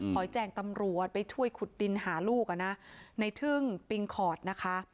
คอยแจ้งตำรวจไปช่วยขุดดินหาลูกอ่ะนะในทึ่งปิงขอดนะคะ